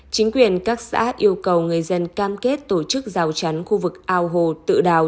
chính quyền các xã yêu cầu người dân cam kết tổ chức rào chắn khu vực ao hồ tự đào